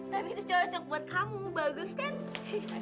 tapi itu cocok buat kamu bagus kan